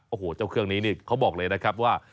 โอ้โหเจ้าเครื่องนี้นี่เขาบอกเลยนะครับว่า